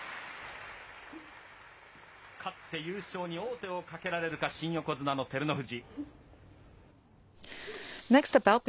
勝って優勝に王手をかけるか、新横綱の照ノ富士。